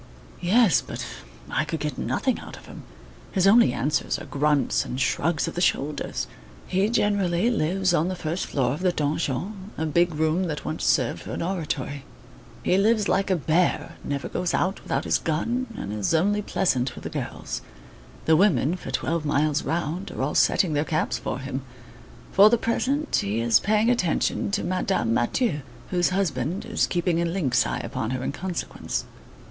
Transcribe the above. "Yes, but I could get nothing out of him. His only answers are grunts and shrugs of the shoulders. He generally lives on the first floor of the donjon, a big room that once served for an oratory. He lives like a bear, never goes out without his gun, and is only pleasant with the girls. The women, for twelve miles round, are all setting their caps for him. For the present, he is paying attention to Madame Mathieu, whose husband is keeping a lynx eye upon her in consequence."